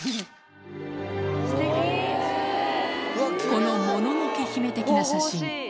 この『もののけ姫』的な写真